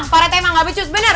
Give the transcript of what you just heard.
pak rete emang nggak pecus bener